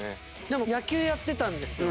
でも野球やってたんですよ。